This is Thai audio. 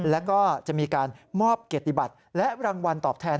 แล้วก็จะมีการมอบเกียรติบัตรและรางวัลตอบแทน